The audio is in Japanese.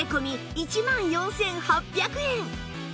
１万４８００円